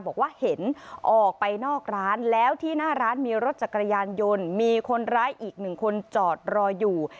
บอกว่าเห็นออกไปนอกร้านแล้วที่หน้าร้านมีรถจักรยานยนต์มีคนร้ายอีกหนึ่งคนจอดรออยู่